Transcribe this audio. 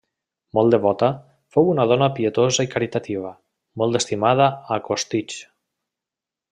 Molt devota, fou una dona pietosa i caritativa, molt estimada a Costitx.